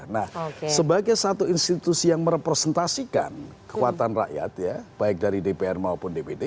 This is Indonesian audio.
nah sebagai satu institusi yang merepresentasikan kekuatan rakyat ya baik dari dpr maupun dpd